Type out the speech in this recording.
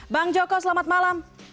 bang joko selamat malam